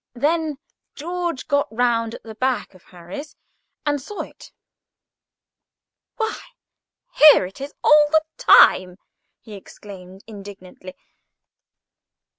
Then George got round at the back of Harris and saw it. "Why, here it is all the time," he exclaimed, indignantly.